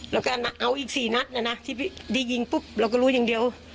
เราก็รู้อย่างเดียว